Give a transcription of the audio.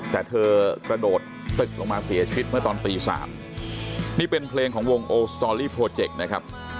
แต่เธอกระโดดตึกลงมาเสียชีวิตเมื่อตอนตี๓นี่เป็นเพลงของวงโอสตอรี่โปรเจกต์นะครับ